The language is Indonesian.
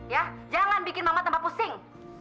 ya jangan bikin mama terpusing